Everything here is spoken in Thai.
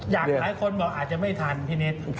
หลายคนบอกอาจจะไม่ทันพี่นิด